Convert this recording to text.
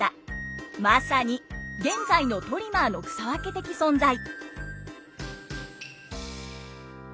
まさに現在のトリマーの草分け的存在！